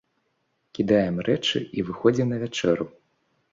Кідаем рэчы і выходзім на вячэру.